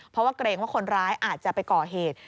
เพราะว่าเกรงว่าคนร้ายอาจจะไปก่อเหตุ